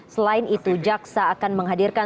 selain itu jaksa akan menghadirkan